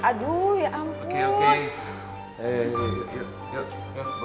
aduh ya ampun